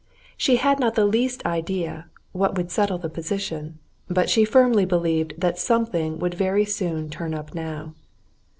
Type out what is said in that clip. She had not the least idea what would settle the position, but she firmly believed that something would very soon turn up now.